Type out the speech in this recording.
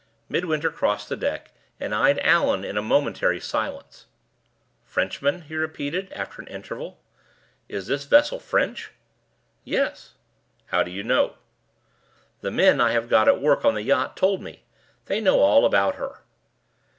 Midwinter crossed the deck, and eyed Allan in a momentary silence. "Frenchmen?" he repeated, after an interval. "Is this vessel French?" "Yes." "How do you know?" "The men I have got at work on the yacht told me. They know all about her."